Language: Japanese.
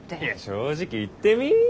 いや正直言ってみ。